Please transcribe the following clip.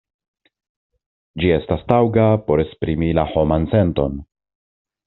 Ĝi estas taŭga por esprimi la homan senton.